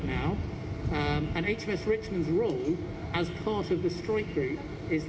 dan peran hms richmond sebagai bagian dari strike group adalah